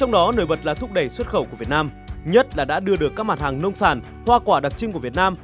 nhất là thúc đẩy xuất khẩu của việt nam nhất là đã đưa được các mặt hàng nông sản hoa quả đặc trưng của việt nam